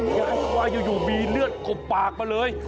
ยายบอกว่าอยู่มีเลือดกบปากมาเลย